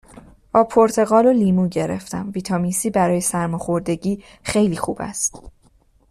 آب پرتقال و لیمو گرفتم ویتامین سی برای سرماخوردگی خیلی خوب است